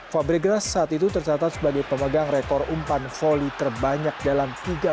fabregas saat itu tercatat sebagai pemegang rekor umpan volley terbanyak dalam dunia